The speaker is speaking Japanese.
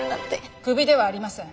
クビではありません。